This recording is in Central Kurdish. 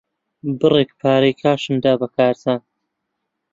بڕێک پارەی کاشم دا بە کارزان.